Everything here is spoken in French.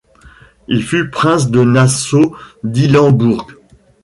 Il fut prince de Nassau-Dillenbourg.